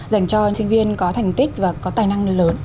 dành cho sinh viên có thành tích và có tài năng lớn